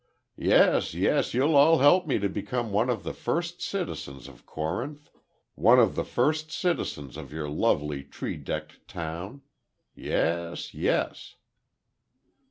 "Yes, yes, you'll all help me to become one of the first citizens of Corinth—one of the first citizens of your lovely, tree decked town. Yes, yes."